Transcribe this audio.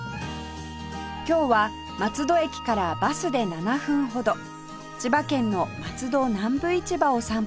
今日は松戸駅からバスで７分ほど千葉県の松戸南部市場を散歩します